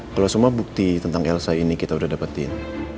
kalau semua bukti tentang elsa ini kita udah dapetin